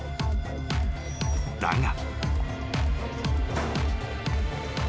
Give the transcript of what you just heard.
［だが］